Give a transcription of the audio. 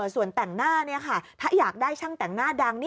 ส่วนแต่งหน้าถ้าอยากได้ช่างแต่งหน้าดัง